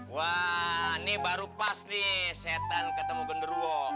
wah ini baru pas nih setan ketemu genderuwo